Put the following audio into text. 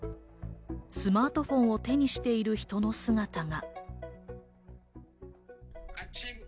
スマートフォンを手にしている人の姿が。